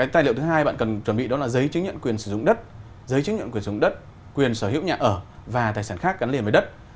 tài liệu thứ hai bạn cần chuẩn bị đó là giấy chứng nhận quyền sử dụng đất giấy chứng nhận quyền sử dụng đất quyền sở hữu nhà ở và tài sản khác gắn liền với đất